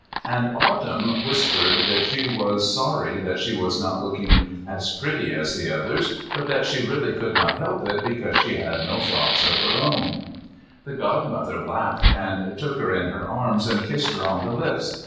And Autumn whispered that she was sorry that she was not looking as pretty as the others, but that she really could not help it, because she had no frocks of her own. The Godmother laughed, and took her in her arms and kissed her on the lips.